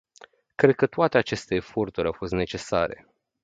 Cred că toate aceste eforturi au fost necesare.